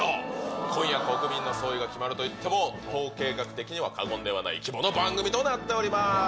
今夜国民の総意が決まるといっても統計学的には過言ではない規模の番組となっております。